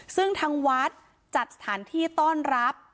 ซึ่งทางวัดจัดสถานที่ต้อนรับ